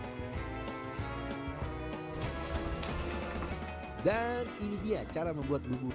berguna rata rata perasaan bagian tubuhnya